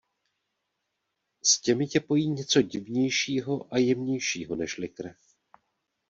S těmi tě pojí něco divnějšího a jemnějšího nežli krev.